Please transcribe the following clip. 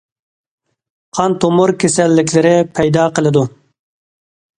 قان تومۇر كېسەللىكلىرى پەيدا قىلىدۇ.